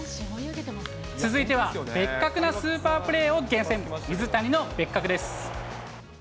続いては、ベッカクなスーパープレーを厳選、水谷のベッカク！です。